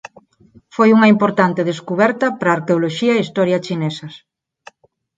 Foi unha importante descuberta para a arqueoloxía e historia chinesas.